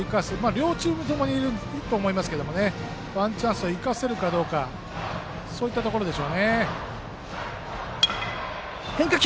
両チームともにいいと思いますけどワンチャンスを生かせるかどうかそういったところでしょうね。